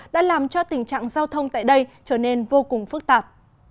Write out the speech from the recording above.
đã làm cho tình trạng giao thông tại đây trở nên vô cùng phức tạp